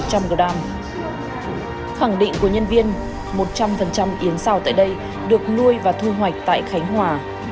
khẳng định của nhân viên một trăm linh yến sao tại đây được nuôi và thu hoạch tại khánh hòa